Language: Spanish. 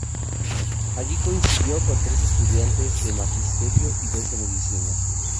Allí coincidió con tres estudiantes de Magisterio y dos de Medicina.